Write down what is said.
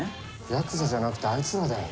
ヤクザじゃなくてあいつらだよ。